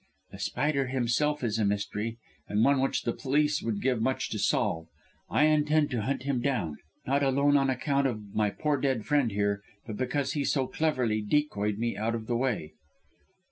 "The Spider himself is a mystery, and one which the police would give much to solve. I intend to hunt him down not alone on account of my poor dead friend here, but because he so cleverly decoyed me out of the way."